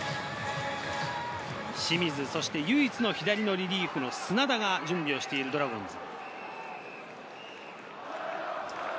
清水、そして唯一の左のリリーフ、砂田が準備しているドラゴンズ。